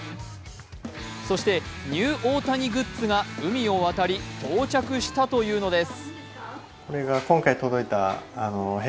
そして、ニュー大谷グッズが海を渡り、到着したというのです。